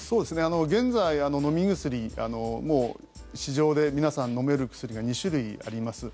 現在、飲み薬もう市場で皆さん飲める薬が２種類あります。